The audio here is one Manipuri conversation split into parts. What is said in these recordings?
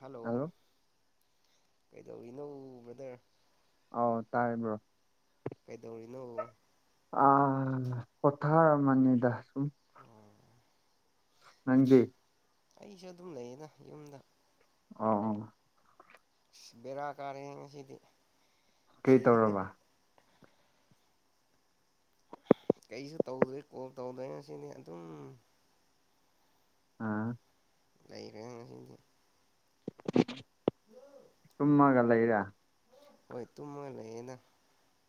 ꯍꯜꯂꯣ ꯀꯩꯗꯧꯔꯤꯅꯣ ꯕ꯭ꯔꯗꯔ ꯑꯣꯥꯎ ꯇꯥꯏꯕ꯭ꯔꯣ ꯀꯩꯗꯧꯔꯤꯅꯣ ꯑ ꯄꯊꯔ ꯃꯅꯤꯗ ꯁꯨꯝ ꯑꯣ ꯅꯗꯤ ꯑꯩꯁꯨ ꯑꯗꯨꯝ ꯂꯩꯌꯦꯅ ꯌꯨꯝꯗ ꯑ ꯕꯦꯔꯥ ꯀꯥꯔꯤ ꯉꯁꯤꯗꯤ ꯀꯩ ꯇꯧꯔꯕ ꯀꯩꯁꯨ ꯇꯧꯗꯣꯏꯦ ꯀꯣꯜ ꯇꯧꯗꯣꯏꯅ ꯁꯤꯅꯤ ꯑꯗꯨꯝ ꯑꯥ ꯂꯩꯥꯛꯈꯪ ꯁꯤꯁꯤꯡꯗꯤ ꯀꯨꯝꯃꯒ ꯂꯩ ꯂꯩꯔ ꯍꯣꯏ ꯇꯨꯝꯃ ꯂꯩꯌꯦꯦꯅ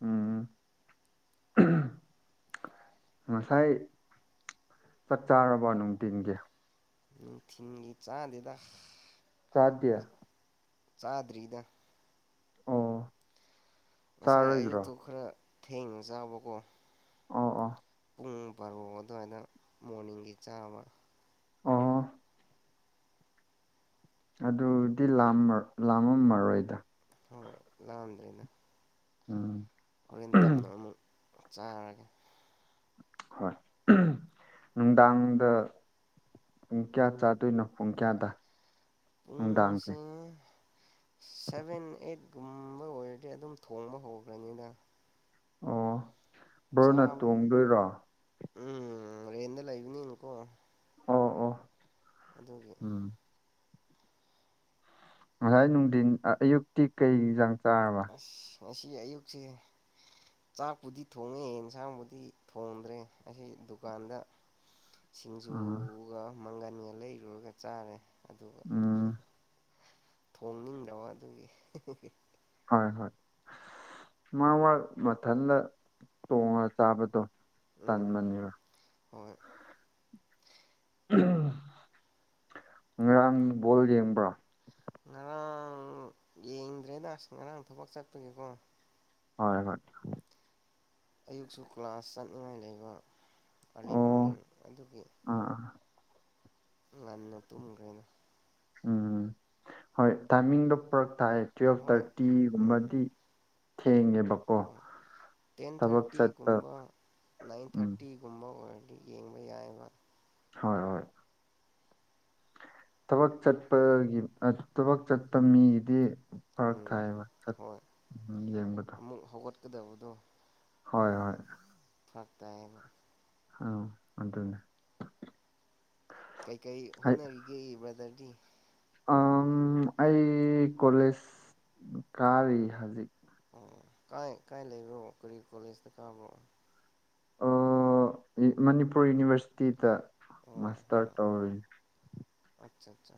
ꯎꯝ ꯉꯁꯥꯏ ꯆꯥꯛ ꯆꯥꯔꯕ ꯅꯨꯡꯊꯤꯤꯟꯒꯤ ꯊꯤꯤꯡꯒꯤ ꯆꯥꯗꯗꯥ ꯆꯗ ꯆꯥꯗ꯭ꯔꯤꯗ ꯑꯣ ꯉꯁꯥꯏ ꯆꯥꯔꯣꯏꯗ꯭ꯔꯣ ꯑꯌꯨꯛꯇꯨ ꯈꯔ ꯊꯦꯡꯅ ꯆꯥꯎꯕꯀꯣ ꯑꯥ ꯑꯥ ꯄꯨꯡ ꯕꯥꯔꯣ ꯑꯗꯨꯋꯥꯏꯗ ꯃꯣꯔꯅꯤꯡꯒꯤ ꯆꯥꯕ ꯑꯣ ꯑꯗꯨꯗꯤ ꯂꯥ ꯂꯥꯝꯃꯝꯃꯔꯣꯏꯗ ꯍꯣꯏ ꯂꯥꯛꯑꯝꯗ꯭ꯔꯦꯅ ꯎꯝ ꯍꯣꯔꯦꯟ ꯇꯞꯅ ꯑꯃꯨꯛ ꯆꯥꯔꯒꯦ ꯍꯣꯏ ꯅꯨꯡꯗꯥꯡꯗ ꯄꯨꯡ ꯀꯌꯥ ꯆꯥꯗꯣꯏꯅꯣ ꯄꯨꯡ ꯀꯌꯥꯗ ꯎꯝ ꯅꯨꯡꯗꯥꯡꯁꯦ ꯁꯤ ꯁꯚꯦꯟ ꯑꯩꯠꯀꯨꯝꯕ ꯑꯣꯏꯔꯗꯤ ꯑꯗꯨꯝ ꯊꯣꯡꯕ ꯍꯧꯈ꯭ꯔꯅꯤꯗ ꯑꯣ ꯕ꯭ꯔꯣꯅ ꯆꯥꯕ ꯇꯣꯡꯗꯣꯏꯔꯣ ꯎꯝ ꯔꯦꯟ ꯂꯒꯅꯤ ꯏꯪꯀꯣ ꯑꯣ ꯑꯣ ꯑꯗꯨꯒꯤ ꯎꯝ ꯉꯁꯥꯏ ꯅꯨꯡꯊꯤꯟ ꯑꯌꯨꯛꯇꯤ ꯀꯩ ꯆꯥꯡ ꯆꯥꯔꯕ ꯑꯁ ꯉꯁꯤ ꯑꯌꯨꯛꯁꯦ ꯆꯥꯛꯄꯨꯗꯤ ꯊꯣꯡꯉꯦ ꯌꯦꯟꯁꯥꯡꯕꯨꯗꯤ ꯊꯣꯡꯗ꯭ꯔꯦ ꯑꯁꯤ ꯗꯨꯀꯥꯟꯗ ꯑꯥ ꯁꯤꯡꯖꯨꯒ ꯃꯪꯒꯟꯒ ꯂꯩꯔꯨꯔꯒ ꯆꯥꯔꯦ ꯑꯗꯨꯒ ꯎꯝ ꯊꯣꯡꯅꯤꯡꯗꯕ ꯑꯗꯨꯒꯤ ꯍꯣꯏ ꯍꯣꯏ ꯃꯥ ꯃꯥ ꯃꯊꯟꯗ ꯇꯣꯡꯉꯒ ꯆꯥꯕꯗꯣ ꯇꯟ ꯎꯝ ꯃꯅꯤꯕ ꯍꯣꯏ ꯉꯔꯥꯡ ꯕꯣꯜ ꯌꯦꯡꯕ꯭ꯔꯥ ꯉꯔꯥꯡ ꯌꯦꯡꯗ꯭ꯔꯦꯗꯁ ꯉꯔꯥꯡ ꯊꯕꯛ ꯆꯠꯄꯒꯤꯦꯀꯣ ꯍꯣꯏ ꯍꯣꯏ ꯑꯌꯨꯛꯁꯨ ꯀ꯭ꯂꯥꯁ ꯆꯠꯅꯤꯡꯉꯥꯏ ꯂꯩꯕ ꯑꯥꯔꯂꯤ ꯃꯣꯔꯅꯤꯡ ꯑꯗꯨꯒꯤ꯫ ꯎꯝ ꯉꯟꯅ ꯇꯨꯝꯈꯩꯅ ꯎꯝꯝ ꯍꯣꯏ ꯇꯥꯏꯃꯤꯡꯗꯣ ꯄꯨꯔꯛ ꯊꯥꯏ ꯇꯨꯋꯦꯜꯐ ꯍꯣꯏ ꯎꯝ ꯊꯥꯔꯇꯤꯒꯨꯝꯕꯗꯤ ꯊꯦꯡꯉꯦꯕꯀꯣ ꯍꯣꯏ ꯇꯦꯟ ꯊꯕꯛ ꯆꯠꯄ ꯊꯥꯔꯇꯤꯒꯨꯝꯕ ꯅꯥꯏꯟ ꯎꯝ ꯊꯥꯔꯇꯤꯒꯨꯝꯕ ꯑꯣꯏꯔꯗꯤ ꯌꯦꯡꯕ ꯌꯥꯏꯑꯕ꯫ ꯍꯣꯏ ꯍꯣꯏ ꯊꯕꯛ ꯆꯠꯄꯒꯤ ꯊꯕꯛ ꯆꯠꯄ ꯃꯤꯒꯤꯗꯤ꯫ ꯐꯔꯛ ꯎꯝ ꯊꯥꯏꯌꯦꯕꯠ ꯎꯝ ꯌꯦꯡꯕꯗꯣ ꯀꯗꯧꯗꯣ ꯍꯣꯏ ꯍꯣꯏ ꯐꯔꯛ ꯇꯥꯏꯕ ꯎꯝ ꯑꯗꯨꯅꯤ ꯫ ꯀꯩꯀꯔꯤ ꯍꯣꯠꯅꯔꯤꯒꯦ ꯕ꯭ꯔꯗꯔꯗꯤ꯫ ꯑꯩ ꯀꯣꯂꯦꯖ ꯀꯥꯔꯤ ꯍꯧꯖꯤꯛ ꯑꯣ ꯀꯥꯏ ꯀꯥꯏ ꯂꯩꯕ꯭ꯔꯣ ꯀꯔꯤ ꯀꯣꯂꯦꯖꯇ ꯀꯥꯕ꯭ꯔꯣ꯫ ꯃꯅꯤꯄꯨꯔ ꯌꯨꯅꯤꯚꯔꯁꯤꯇꯤꯗ꯫ ꯑꯣ ꯃꯥꯁꯇꯔ ꯑꯣ ꯇꯧꯔꯤ ꯑꯠꯆꯥ ꯑꯠꯆꯥ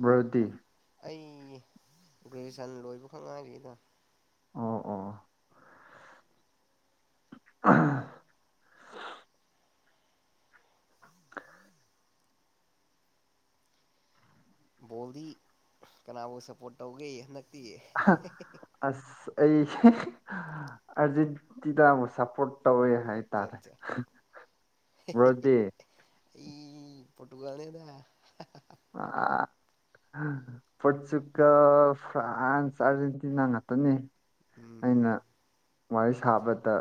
ꯕꯔꯗꯤ꯫ ꯑꯩ ꯒ꯭ꯔꯦꯖꯨꯌꯦꯦꯁꯟ ꯂꯣꯏꯕꯈꯛ ꯉꯥꯏꯔꯤꯗ ꯑꯣ ꯑꯣ [inaudible] ꯕꯣꯜꯗꯤ ꯀꯅꯥꯕꯨ ꯁꯞꯄꯣꯔꯠ ꯇꯧꯒꯦ ꯍꯟꯗꯛꯇꯤ꯫ ꯑꯁ ꯑꯩ ꯑꯥꯔꯖꯦꯟꯇꯤꯅꯥ ꯑꯃꯨꯛ ꯁꯄꯣꯔꯠ ꯇꯧꯋꯦ ꯍꯥꯏꯇꯥꯔꯦ ꯑꯠꯆꯥ ꯕꯔꯣꯗꯤ꯫ ꯑꯩ ꯐꯣꯇꯒꯂꯅꯤꯗ꯫ [unintelligible] [unintelligible] ꯄꯣꯔꯆꯨꯒꯜ ꯐ꯭ꯔꯥꯟꯁ ꯑꯔꯖꯦꯟꯇꯤꯅꯥ ꯉꯥꯛꯇꯅꯤ꯫ ꯑꯩꯅ ꯎꯝ ꯋꯥꯔꯤ ꯁꯥꯕꯗ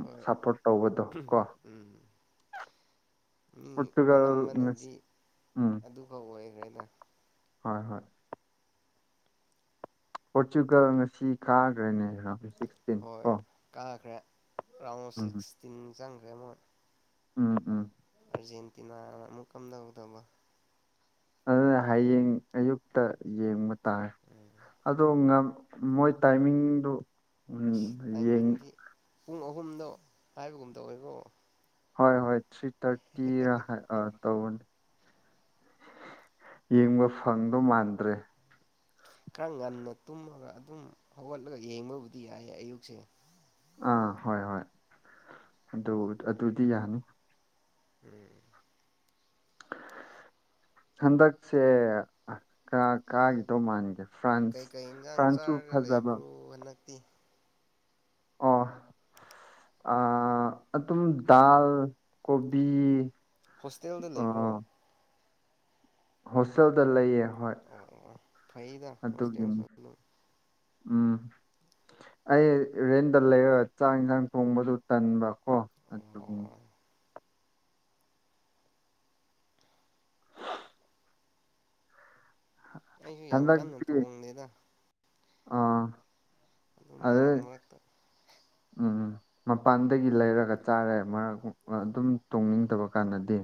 ꯍꯣꯏ ꯁꯞꯄꯣꯔꯠ ꯇꯧꯕꯗꯣ ꯀꯣ ꯎꯝ ꯃꯤ ꯄꯣꯔꯇꯨꯒꯜ ꯉꯁꯤ ꯑꯅꯝꯕꯅꯗꯤ ꯎꯝ ꯑꯗꯨꯐꯥꯎ ꯑꯣꯏꯈ꯭ꯔꯦꯅ ꯍꯣꯏ ꯍꯣꯏ ꯄꯣꯔꯆꯨꯒꯜ ꯉꯁꯤ ꯀꯥꯈ꯭ꯔꯦꯅꯦꯔꯣ ꯍꯣꯏ ꯀꯥꯈ꯭ꯔꯦ ꯔꯥꯎꯟ ꯎꯝ ꯁꯤꯛꯁꯇꯤꯟ ꯆꯪꯈ꯭ꯔꯦ ꯃꯣꯏ ꯎꯝ ꯎꯝ ꯑꯥꯔꯖꯦꯟꯇꯤꯅꯥꯅ ꯑꯃꯨꯛ ꯀꯝꯗꯧꯗꯧꯕ ꯑꯗꯨꯅ ꯍꯌꯦꯡ ꯑꯌꯨꯛꯇ ꯌꯦꯡꯕ ꯇꯥꯔꯦ꯫ ꯎꯝ ꯑ ꯃꯣꯏ ꯇꯥꯏꯃꯤꯡꯗꯨ ꯎꯝ ꯑꯁ ꯌꯦꯡ ꯇꯥꯏꯃꯤꯡꯗꯤ ꯄꯨꯡ ꯑꯍꯨꯝꯗꯣ ꯍꯥꯏꯕꯒꯨꯝꯇ ꯑꯣꯏꯔꯣ ꯍꯣꯏ ꯍꯣꯏ ꯊ꯭ꯔꯤ ꯊꯥꯔꯇꯤꯔ ꯍꯥꯏ ꯑ ꯇꯧꯕꯅꯤ ꯌꯦꯡꯕ ꯐꯪꯗꯧ ꯃꯥꯟꯗ꯭ꯔꯦ꯫ ꯈꯔ ꯉꯟꯅ ꯇꯨꯝꯃꯒ ꯑꯗꯨꯝ ꯍꯧꯒꯠꯂꯒ ꯌꯦꯡꯕꯕꯨꯗꯤ ꯌꯥꯏꯌꯦ ꯑꯌꯨꯛꯁꯦ꯫ ꯑꯥ ꯍꯣꯏ ꯍꯣꯏ ꯑꯗꯨ ꯑꯗꯨꯗꯤ ꯌꯥꯅꯤ꯫ ꯎꯝ ꯍꯟꯗꯛꯁꯦ ꯀꯥꯒꯤ ꯇꯧ ꯃꯥꯟꯒꯦ꯫ ꯐ꯭ꯔꯥꯟꯁ ꯀꯩꯀꯩ ꯏꯟꯖꯥꯡ ꯐ꯭ꯔꯥꯟꯁꯁꯨ ꯆꯥꯔꯒ ꯐꯖꯕ ꯂꯩꯕ꯭ꯔꯣ ꯍꯟꯗꯛꯇꯤ꯫ [inaudible] ꯑ ꯑꯗꯨꯝ ꯗꯥꯜ ꯀꯣꯕꯤ꯫ ꯍꯣꯁꯇꯦꯜꯗ ꯑꯥ ꯂꯩꯕ꯭ꯔꯣ ꯍꯣꯁꯇꯦꯜꯗ ꯂꯩꯌꯦ ꯍꯣꯏ ꯑꯣ ꯐꯩꯗ ꯍꯣꯁꯇꯦꯜ ꯑꯗꯨꯒꯤꯅꯤ [unintelligible] ꯎꯝ ꯑꯩ ꯔꯦꯟꯗ ꯂꯩꯔꯒ ꯆꯥꯛ ꯏꯟꯁꯥꯡ ꯊꯣꯡꯕꯗꯨ ꯇꯟꯕ ꯀꯣ ꯑꯗꯨꯒꯤꯅꯤ ꯑꯣ [inaudible] ꯑꯩꯁꯨ ꯌꯥꯝ ꯀꯟꯅ ꯍꯟꯗꯛꯗꯤ ꯊꯣꯡꯗꯦꯗ ꯑꯥ ꯑꯗꯨꯝ ꯑꯗꯨ ꯃꯔꯛ ꯃꯔꯛꯇ ꯎꯝ ꯎꯝ ꯃꯄꯥꯟꯗꯒꯤ ꯂꯩꯔꯒ ꯆꯥꯔꯦ ꯃꯔꯛ ꯑꯗꯨꯝ ꯇꯣꯡꯅꯤꯡꯗꯕ ꯀꯥꯟꯗꯗꯤ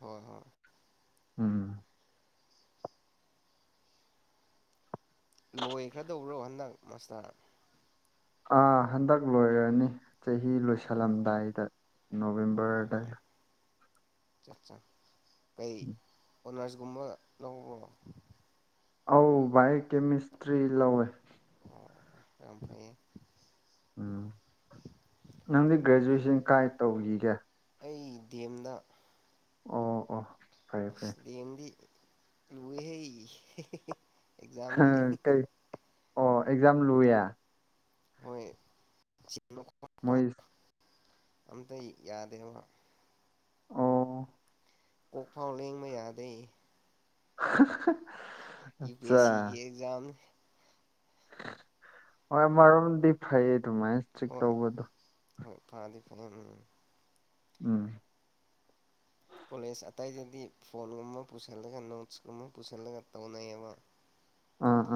ꯍꯣꯏ ꯍꯣꯏ ꯎꯝ ꯂꯣꯏꯈ꯭ꯔꯗꯧꯕ꯭ꯔꯣ ꯍꯟꯗꯛ ꯃꯥꯁꯇꯔ ꯑ ꯍꯟꯗꯛ ꯂꯣꯏꯔꯅꯤ ꯆꯍꯤ ꯑꯣ ꯑꯣ ꯂꯣꯏꯁꯜꯂꯝꯗꯥꯏꯗ ꯅꯣꯚꯦꯝꯕꯔꯗ ꯑꯆꯥ ꯑꯠꯆꯥ ꯀꯩ ꯑꯣꯅꯔꯁꯒꯨꯝꯕ ꯂꯧꯕꯔꯣ ꯑꯧ ꯕꯥꯏ ꯀꯦꯃꯤꯁꯇ꯭ꯔꯤ ꯂꯧꯋꯦ ꯑꯣ ꯌꯥꯝ ꯐꯩꯌꯦ ꯎꯝ ꯅꯪꯗꯤ ꯈꯨꯠ ꯒ꯭ꯔꯦꯖꯨꯑꯦꯁꯟ ꯀꯥꯏ ꯇꯧꯈꯤꯒꯦ ꯑꯩ ꯗꯤ ꯑꯦꯝꯗ ꯑꯣ ꯑꯣ ꯐꯔꯦ ꯐꯔꯦ ꯑꯁ ꯗꯤ ꯑꯦꯝꯗꯤ ꯂꯨꯋꯦꯍꯦ ꯍ ꯀꯩ ꯑꯣ ꯑꯦꯛꯖꯥꯝ ꯂꯨꯌꯦ ꯍꯣꯏ ꯃꯣꯏ ꯑꯃꯇ ꯌꯥꯗꯦ ꯍꯥꯏꯕ ꯑꯣ ꯀꯣꯛꯐꯥꯎ ꯂꯦꯡꯕ ꯌꯥꯗꯦ [unintelligible] ꯌꯨ ꯄꯤ ꯑꯦꯁ ꯁꯤꯒꯤ ꯑꯦꯛꯖꯥꯝꯅꯦ ꯍꯣꯏ ꯑꯃꯔꯣꯝꯗꯗꯤ ꯐꯌꯦ ꯗꯨꯃꯥꯏꯅ ꯍꯣ ꯍꯣꯏ ꯐꯔꯗꯤ ꯐꯅꯤ ꯎꯝ ꯎꯝ ꯎꯝ ꯀꯣꯂꯦꯖ ꯑꯇꯩꯗꯗꯤ ꯐꯣꯟꯒꯨꯝꯕ ꯄꯨꯁꯜꯂꯒ ꯅꯣꯠꯁꯀꯨꯝꯕ ꯄꯨꯁꯜꯂꯒ ꯇꯧꯅꯩꯌꯦꯕ [unintelligible] ꯑ ꯑ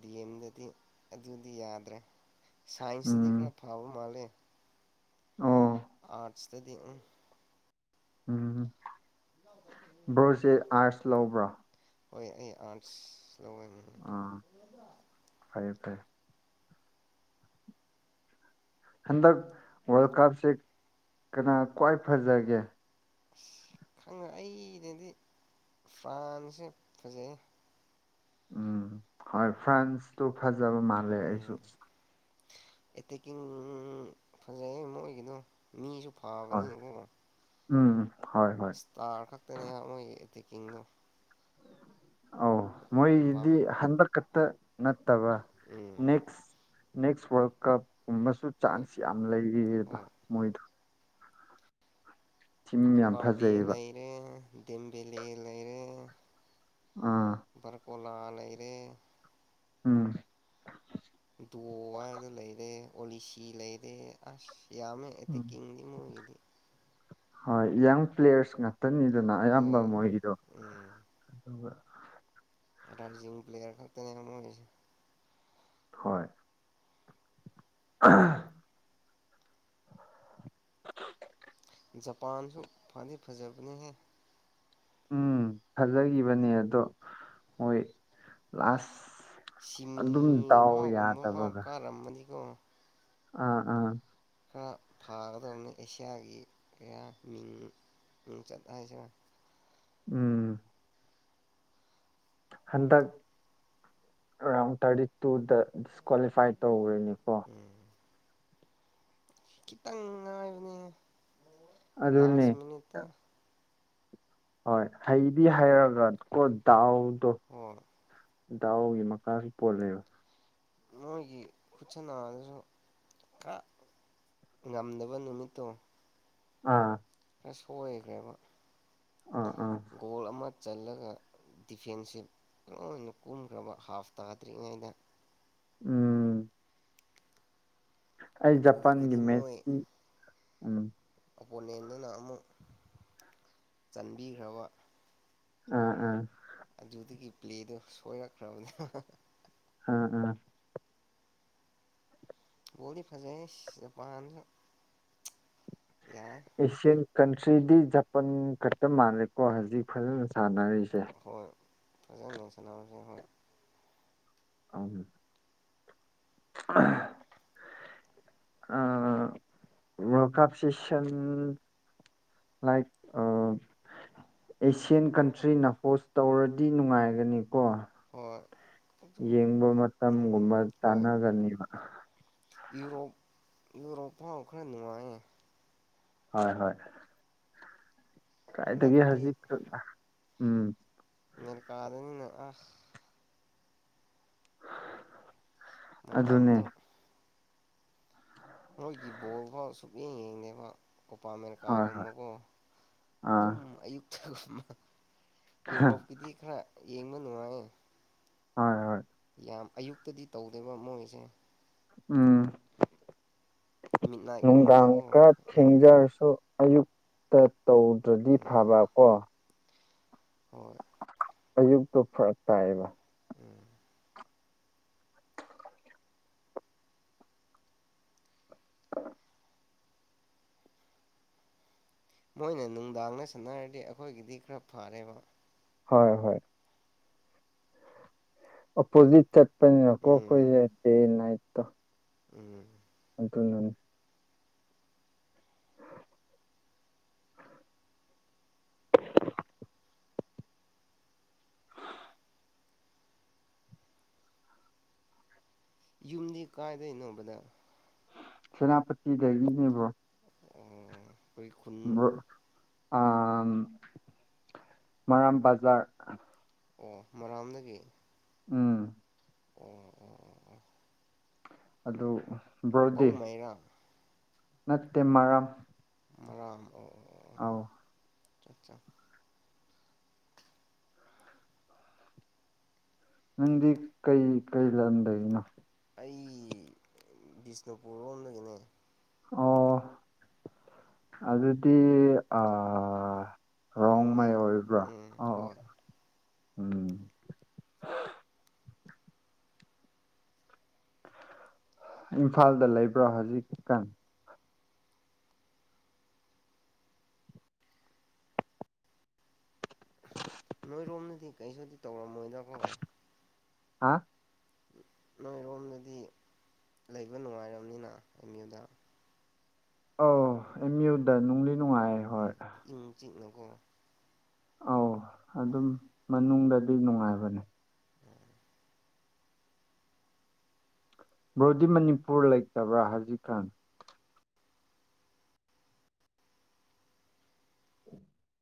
ꯗꯤ ꯑꯦꯝꯗꯗꯤ ꯑꯗꯨꯗꯤ ꯌꯥꯗ꯭ꯔꯦ ꯁꯥꯏꯟꯁꯇꯗꯤ ꯎꯝ ꯈꯔ ꯐꯕ ꯃꯥꯜꯂꯦ ꯑꯣ ꯑꯥꯠꯁꯇꯗꯤ ꯎꯝ ꯎꯝ ꯕ꯭ꯔꯣꯁꯦ ꯑꯥꯥꯏꯁ ꯂꯧꯕ꯭ꯔꯥ ꯍꯣꯏ ꯑꯩ ꯑꯥꯔꯠꯁ ꯂꯧꯋꯦ ꯎꯝ ꯑ ꯐꯌꯦ ꯐꯌꯦ ꯍꯟꯗꯛ ꯋꯥꯔꯜ ꯀꯞꯁꯦ ꯀꯅꯥ ꯈ꯭ꯋꯥꯏ ꯐꯖꯒꯦ ꯑꯁ ꯈꯪꯉ ꯑꯩꯗꯗꯤ ꯐ꯭ꯔꯥꯟꯁꯦ ꯐꯖꯩ ꯎꯝ ꯍꯣꯏ ꯐ꯭ꯔꯥꯟꯁꯇꯨ ꯐꯖꯕ ꯃꯥꯜꯂꯦ ꯑꯩꯁꯨ ꯎꯝ ꯑꯦꯇꯦꯛꯀꯤꯡ ꯐꯖꯩꯌꯦ ꯃꯣꯏꯒꯤꯗꯣ ꯃꯤꯁꯨ ꯍꯣꯏ ꯐꯥꯕꯅꯦꯅꯀꯣ ꯎꯝ ꯐꯩ ꯇꯥ ꯈꯛꯇꯅꯦ ꯃꯣꯏꯒꯤ ꯑꯦꯇꯦꯛꯀꯤꯡꯗꯣ ꯑꯧ ꯕꯥꯞ ꯃꯣꯏꯗꯤ ꯍꯟꯗꯛ ꯈꯛꯇ ꯅꯠꯇꯕ ꯎꯝ ꯅꯦꯛꯁ ꯅꯦꯛꯁ ꯋꯥꯔꯜ ꯀꯞꯀꯨꯝꯕꯁꯨ ꯍꯣꯏ ꯆꯥꯟꯁ ꯌꯥꯝ ꯂꯩꯌꯦꯕ ꯍꯣꯏ ꯃꯣꯏꯗꯨ ꯇꯤꯝ ꯌꯥꯝ ꯕꯄꯦ ꯐꯖꯩꯌꯦꯕ ꯂꯩꯔꯦ ꯗꯤꯝꯕꯤꯂꯦ ꯂꯩꯔꯦ ꯑꯥ ꯕꯔꯀꯣꯂꯥ ꯂꯩꯔꯦ ꯎꯝ ꯗꯣ ꯍꯥꯏꯗ ꯂꯩꯔꯦ ꯑꯣꯂꯤꯁꯤ ꯂꯩꯔꯦ ꯑꯁ ꯌꯥꯝꯃꯦ ꯎꯝ ꯑꯦꯇꯤꯀꯤꯡꯗꯤ ꯃꯣꯌꯒꯤꯗꯤ ꯍꯣꯏ ꯌꯪ ꯄ꯭ꯂꯦꯌꯔꯁ ꯉꯥꯛꯇꯅꯤꯗꯅ ꯑꯌꯥꯝꯕ ꯑꯣ ꯃꯣꯏꯒꯤꯗꯣ ꯎꯝ ꯑꯗꯨꯒ ꯔꯥꯏꯔꯖꯤꯡ ꯄ꯭ꯂꯦꯌꯔ ꯈꯛꯇꯅꯦ ꯃꯣꯏꯒꯤꯁꯦ ꯍꯣꯏ ꯑꯥ ꯑ [inaudible] ꯖꯄꯥꯟꯁꯨ ꯐꯗꯤ ꯐꯖꯕꯅꯤꯍꯦ ꯎꯝ ꯈꯖꯈꯤꯕꯅꯦ ꯑꯗꯣ ꯍꯣꯏ ꯂꯥꯁ ꯑꯗꯨꯝ ꯁꯤꯃꯤ ꯗꯥꯎ ꯐꯥꯎꯒꯨꯝꯕ ꯌꯥꯗꯕꯒ [unintelligible] ꯑ ꯑꯥ ꯈꯔ ꯐꯥꯒꯗꯕꯅꯤ ꯑꯦꯁꯤꯌꯥꯒꯤ ꯀꯌꯥ ꯃꯤꯡ ꯃꯤꯡꯆꯠ ꯍꯥꯏꯁꯦ ꯎꯝ ꯍꯟꯗꯛ ꯔꯥꯎꯟ ꯊꯥꯔꯇꯤ ꯇꯨꯗ ꯗꯤꯁꯀ꯭ꯋꯥꯂꯤꯐꯥꯏ ꯇꯧꯒꯔ꯭ꯦꯅꯦꯀꯣ ꯎꯝ ꯈꯤꯇꯪ ꯉꯥꯏꯕꯅꯦ ꯑꯗꯨꯅꯦ ꯂꯥꯁ ꯃꯤꯅꯤꯠꯇ ꯍꯣꯏ ꯍꯩꯗꯤ ꯍꯩꯔꯒ ꯀꯣ ꯗꯥꯎꯗꯣ ꯍꯣꯌ ꯗꯥꯎꯒꯤ ꯃꯈꯥꯁꯨ ꯄꯣꯜꯂꯦꯕ ꯅꯣꯏꯒꯤ ꯈꯨꯠꯆꯅꯁꯨ ꯀꯥ ꯉꯝꯗꯕ ꯅꯨꯃꯤꯠꯇꯣ ꯑꯥ ꯈꯔ ꯁꯣꯏꯈ꯭ꯔꯦꯕ ꯑ ꯑꯥ ꯒꯣꯜ ꯑꯃ ꯆꯜꯂꯒ ꯗꯤꯐꯦꯟꯁꯦ ꯂꯅ ꯀꯨꯝꯈ꯭ꯔꯕ ꯍꯥꯐ ꯇꯥꯗ꯭ꯔꯤꯉꯩꯗ ꯎꯝ ꯑꯩ ꯖꯄꯥꯟꯒꯤ ꯑꯗꯨꯗꯒꯤꯗꯤ ꯃꯣꯏ ꯃꯦꯠꯁꯇꯤ ꯎꯝ ꯑꯣꯄꯣꯅꯦꯟꯗꯨꯅ ꯑꯃꯨꯛ ꯆꯟꯕꯤꯈ꯭ꯔꯕ ꯑ ꯑꯥ ꯑꯗꯨꯗꯒꯤ ꯄ꯭ꯂꯦꯗꯣ ꯁꯣꯏꯔꯛꯈ꯭ꯔꯕꯅꯦꯕ ꯑ ꯑꯥ ꯕꯣꯜꯗꯤ ꯐꯖꯩ ꯖꯄꯥꯟꯗꯨ ꯌꯥꯏ ꯑꯦꯁꯤꯌꯥꯟ ꯀꯟꯇ꯭ꯔꯤꯗꯤ ꯖꯄꯥꯟ ꯈꯛꯇ ꯃꯥꯜꯂꯦꯀꯣ ꯍꯧꯖꯤꯛ ꯐꯖꯅ ꯁꯥꯟꯅꯔꯤꯁꯦ ꯍꯣꯏ ꯐꯖꯅ ꯂꯡꯁꯟꯅꯔꯁꯦ ꯍꯣꯏ [unintelligible] [unintelligible] [inaudible] ꯑ world cup session like Asian ꯀꯟꯇ꯭ꯔꯤꯅ ꯑꯣꯁ ꯇꯧꯔꯗꯤ ꯅꯨꯡꯉꯥꯏꯒꯅꯤꯀꯣ ꯍꯣꯏ ꯑꯗꯨ ꯌꯦꯡꯕ ꯃꯇꯝꯒꯨꯝꯕ ꯎꯝ ꯍꯣꯏ ꯆꯥꯅꯒꯅꯦꯕ ꯌꯨꯔꯣꯞ ꯌꯨꯔꯣꯞ ꯐꯥꯎ ꯈꯔ ꯅꯨꯡꯉꯥꯏꯌꯦ ꯍꯣꯏ ꯍꯣꯏ ꯀꯥꯏꯗꯒꯤ ꯍꯟꯗꯛꯇꯤ ꯍꯧꯖꯤꯛ ꯎꯝ ꯃꯤꯅ ꯀꯥꯗꯅꯤꯅ ꯑ ꯑꯗꯨꯅꯦ ꯃꯇꯝꯗꯨ ꯃꯣꯏꯒꯤ ꯕꯣꯜꯐꯥꯎ ꯁꯨꯛꯌꯦꯡ ꯌꯦꯡꯗꯦꯕ ꯀꯣꯄꯥ ꯍꯣꯏ ꯍꯣꯏ ꯑꯃꯦꯔꯤꯀꯥꯒꯨꯝꯕꯀꯣ ꯑꯥ ꯑꯗꯨꯝ ꯑꯌꯨꯛꯊꯒꯨꯝꯕ ꯌꯨꯔꯣꯞꯀꯤꯗꯤ ꯈꯔ ꯌꯦꯡꯕ ꯅꯨꯡꯉꯥꯏꯌꯦ ꯍꯣꯏ ꯍꯣꯏ ꯌꯥꯝ ꯑꯌꯨꯛꯇꯗꯤ ꯇꯧꯗꯦꯕ ꯃꯣꯏꯁꯦ ꯎꯝ ꯃꯤꯠ ꯅꯨꯡꯗꯥꯡ ꯅꯥꯏꯠꯒꯨꯝꯕꯗꯀꯣ ꯈꯔ ꯎꯝ ꯊꯦꯡꯖꯔꯁꯨ ꯑꯌꯨꯛꯇ ꯇꯧꯗ꯭ꯔꯗꯤ ꯎꯝ ꯐꯕ ꯀꯣ ꯍꯣꯏ ꯑꯌꯨꯛꯇꯣ ꯐꯔꯛ ꯇꯥꯏꯌꯦꯕ ꯎꯝ [inaudible] ꯃꯣꯏꯅ ꯅꯨꯡꯗꯥꯡꯗ ꯁꯥꯟꯅꯔꯗꯤ ꯑꯩꯈꯣꯏꯒꯤꯗꯤ ꯈꯔ ꯐꯔꯦꯕ ꯍꯣꯏ ꯍꯣꯏ ꯑꯣꯄꯣꯖꯤꯠ ꯆꯠꯄꯅꯤꯅꯀꯣ ꯎꯝ ꯑꯩꯈꯣꯏꯖꯦ ꯗꯦ ꯅꯥꯏꯠꯇꯣ ꯎꯝ ꯑꯗꯨꯅꯅꯦ ꯌꯨꯝꯗꯤ ꯀꯥꯏꯗꯩꯅꯣ ꯕꯗ ꯁꯦꯅꯥꯄꯇꯤꯗꯒꯤꯅꯦ ꯕ꯭ꯔꯣ ꯑꯣ ꯑꯩꯈꯣꯏ ꯈꯨꯟ ꯕ꯭ꯔꯣ ꯑꯥꯝ ꯃꯔꯥꯝ ꯕꯖꯥꯔ ꯑꯣ ꯃꯔꯥꯝꯗꯒꯤ ꯎꯝ ꯑꯣ ꯑꯣ ꯑꯣ ꯑꯗꯨ ꯕ꯭ꯔꯣꯗꯤ ꯄꯧꯃꯩꯔꯥ ꯅꯠꯇꯦ ꯃꯔꯥꯝ ꯃꯔꯥꯝ ꯑꯣ ꯑꯧ ꯆ ꯆꯥ ꯅꯪꯗꯤ ꯀꯩ ꯀꯩ ꯂꯝꯗꯒꯤꯅꯣ ꯑꯩ ꯕꯤꯁꯅꯨꯄꯨꯔ ꯔꯣꯝꯗꯒꯤꯅꯦ ꯑꯣ ꯑꯗꯨꯗꯤ ꯑꯥ ꯔꯣꯡꯃꯩ ꯑꯣꯏꯕ꯭ꯔꯥ ꯎꯝ ꯑꯣ ꯑꯣ ꯍꯣꯏ ꯎꯝ ꯏꯝꯐꯥꯜꯗ ꯂꯩꯕ꯭ꯔꯥ ꯍꯧꯖꯤꯛꯀꯥꯟ ꯅꯣꯏꯔꯣꯝꯅꯗꯤ ꯀꯩꯁꯨꯗꯤ ꯇꯧꯔꯝꯃꯣꯏꯗ ꯍꯥ ꯅꯣꯏꯔꯣꯝꯗꯗꯤ ꯂꯩꯕ ꯅꯨꯡꯉꯥꯏꯔꯝꯅꯤꯅ ꯑꯦꯝ ꯌꯨꯗ ꯑꯧ ꯑꯦꯝ ꯌꯨꯗ ꯅꯨꯡꯗꯤ ꯅꯨꯡꯉꯥꯏ ꯍꯣꯏ ꯏꯪ ꯆꯤꯛꯅꯀꯣ ꯑꯧ ꯑꯗꯨꯝ ꯃꯅꯨꯡꯗꯗꯤ ꯅꯨꯡꯉꯥꯏꯕꯅꯦ [unintelligible] ꯕ꯭ꯔꯣꯗꯤ ꯃꯅꯤꯄꯨꯔ ꯂꯩꯇꯕ꯭ꯔꯥ ꯍꯧꯖꯤꯛ ꯀꯥꯟ